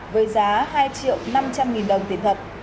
với giá hai triệu năm trăm linh nghìn đồng tiền thật